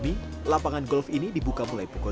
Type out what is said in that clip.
kualitas kalau dilihat